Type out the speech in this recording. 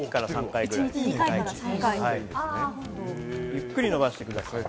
ゆっくり伸ばしてください。